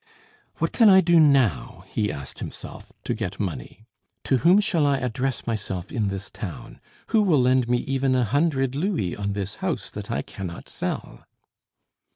"What can I do now," he asked himself, "to get money? To whom shall I address myself in this town? Who will lend me even a hundred louis on this house that I can not sell?"